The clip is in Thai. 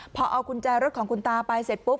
พอเอากุญแจรถของคุณตาไปเสร็จปุ๊บ